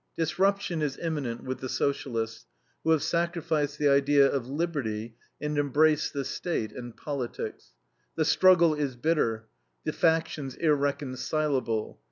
Disruption is imminent with the Socialists, who have sacrificed the idea of liberty and embraced the State and politics. The struggle is bitter, the factions irreconcilable.